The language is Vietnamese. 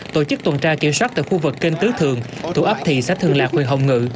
tổ chức tuần tra kiểm soát tại khu vực kênh tứ thường thủ ấp thị sách thường lạc huyền hồng ngự